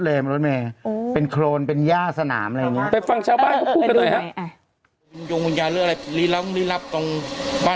เหมือนเขาใส่วิคผมด้วยนะ